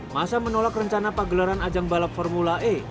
masa menolak rencana pagelaran ajang balap formula e